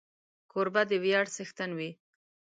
کوربه د ویاړ څښتن وي.